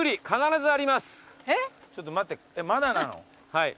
はい。